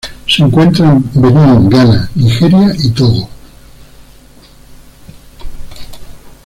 Se encuentra en Benín, Ghana, Nigeria, y Togo.